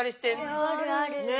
あるある。ね。